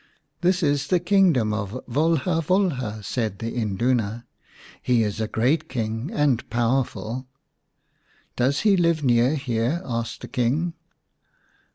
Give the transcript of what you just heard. " This is the kingdom of Volha Volha," said the Induna. " He is a great King and powerful." " Does he live near here ?" asked the King.